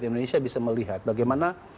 indonesia bisa melihat bagaimana